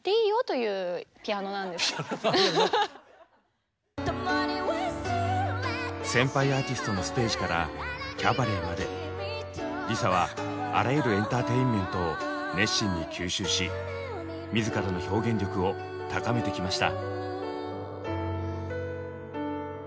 でも先輩アーティストのステージからキャバレーまでＬｉＳＡはあらゆるエンターテインメントを熱心に吸収し自らの表現力を高めてきました。